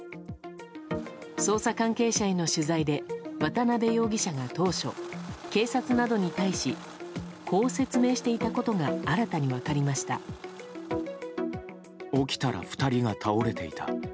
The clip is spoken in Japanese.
捜査関係者への取材で渡辺容疑者が当初警察などに対しこう説明していたことが新たに分かりました。